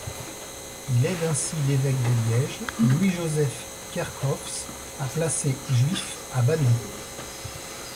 Il aide ainsi l'évêque de Liège, Louis-Joseph Kerkhofs à placer juifs à Banneux.